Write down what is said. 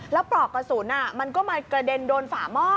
แล้วปลอกกระสุนมันก็มากระเด็นโดนฝาหม้อ